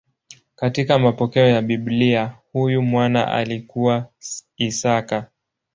Katika mapokeo ya Biblia huyu mwana alikuwa Isaka.